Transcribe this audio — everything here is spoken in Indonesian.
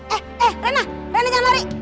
eh eh rena rena jangan lari